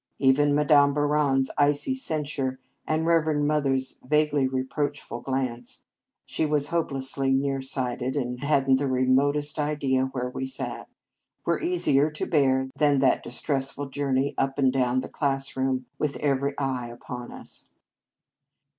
Even Madame Bouron s icy censure, and Reverend Mother s vaguely reproach ful glance (she was hopelessly near sighted, and had n t the remotest idea where we sat) were easier to bear than that distressful journey up and down the classroom, with every eye upon us.